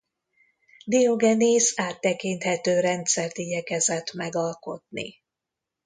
Diogenész áttekinthető rendszert igyekezett megalkotni.